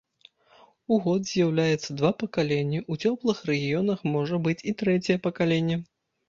У год з'яўляецца два пакаленні, у цёплых рэгіёнах можа быць і трэцяе пакаленне.